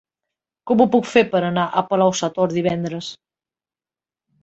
Com ho puc fer per anar a Palau-sator divendres?